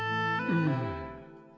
うん？